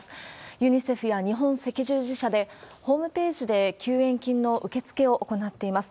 ユニセフや日本赤十字社で、ホームページで救援金の受け付けを行っています。